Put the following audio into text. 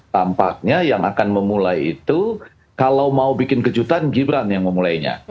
tampaknya yang akan memulai itu kalau mau bikin kejutan gibran yang memulainya